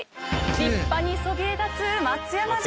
立派にそびえ立つ松山城。